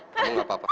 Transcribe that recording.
kamu gak apa apa